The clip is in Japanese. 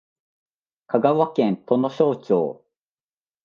香川県土庄町